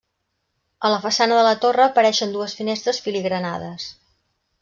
A la façana de la torre apareixen dues finestres filigranades.